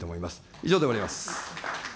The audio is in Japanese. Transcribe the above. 以上で終わります。